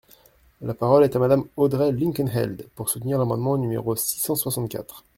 La parole est à Madame Audrey Linkenheld, pour soutenir l’amendement numéro six cent soixante-quatre.